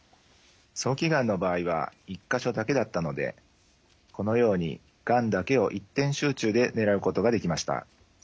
早期がんの場合は１か所だけだったのでこのようにがんだけを一点集中で狙うことができました。